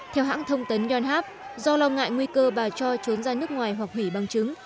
theo hãng thông tấn yonhap do lo ngại nguy cơ bà cho trốn ra nước ngoài hoặc hủy bằng chứng